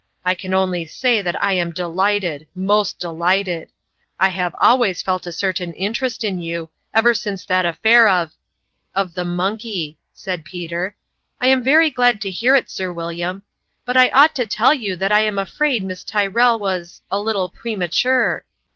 I can only say that I am delighted most delighted ! I have always felt a warm interest in you, ever since that affair of " Of the monkey," said Peter. " I am very glad to hear it, Sir William ; but but I ought to tell you that I am afraid Miss Tyrrell was a little premature.